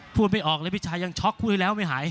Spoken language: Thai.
พูดไม่ออกเลยพี่ชายยังช็อกคู่ที่แล้วไม่หาย